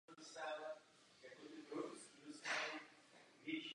Nejnápadnějším případem je Andrew Symeou.